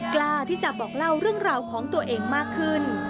กล้าที่จะบอกเล่าเรื่องราวของตัวเองมากขึ้น